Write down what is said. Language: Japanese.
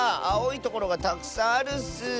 あおいところがたくさんあるッス。